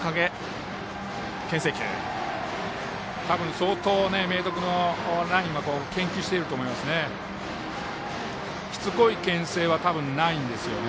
相当、明徳のナインが研究していると思いますね。